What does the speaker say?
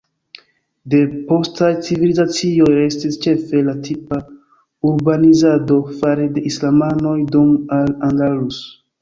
De postaj civilizacioj restis ĉefe la tipa urbanizado fare de islamanoj dum Al Andalus.